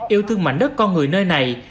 yêu thương mạnh đất con người nơi này